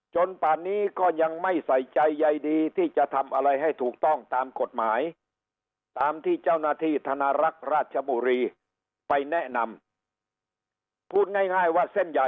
ป่านนี้ก็ยังไม่ใส่ใจใยดีที่จะทำอะไรให้ถูกต้องตามกฎหมายตามที่เจ้าหน้าที่ธนรักษ์ราชบุรีไปแนะนำพูดง่ายว่าเส้นใหญ่